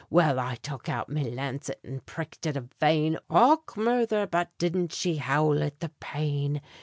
Well, I tuck out me lancet and pricked at a vein, (Och, murther! but didn't she howl at the pain!)